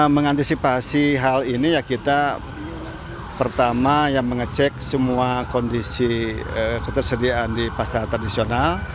mengantisipasi hal ini ya kita pertama yang mengecek semua kondisi ketersediaan di pasar tradisional